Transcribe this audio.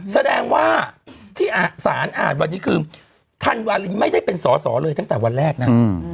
แสดงว่าที่สารอ่านวันนี้คือธันวาลินไม่ได้เป็นสอสอเลยตั้งแต่วันแรกนะ